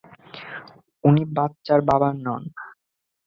উনি বাচ্চার বাবা না।